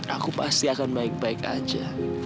aku pasti akan baik baik aja